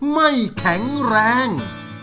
ไม่แข็งแรง